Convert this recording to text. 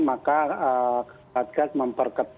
maka satgas memperketat